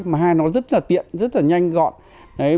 mà hai nó rất là tiện rất là nhanh gọn